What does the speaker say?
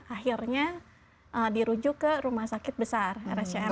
akhirnya dirujuk ke rumah sakit besar rscm waktu itu